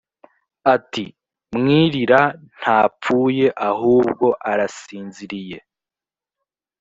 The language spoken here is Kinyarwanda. ati mwirira ntapfuye ahubwo arasinziriye